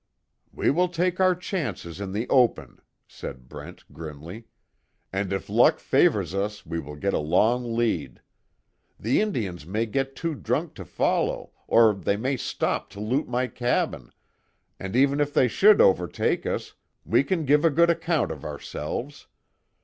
"We will take our chances in the open," said Brent grimly. "And if luck favors us we will get a long lead. The Indians may get too drunk to follow, or they may stop to loot my cabin, and even if they should overtake us, we can give a good account of ourselves.